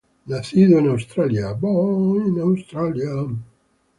Nació en Australia.